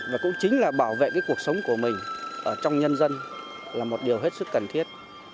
và cũng chính là bảo vệ cuộc sống của mình ở trong nhân dân là một điều hết sức cần thiết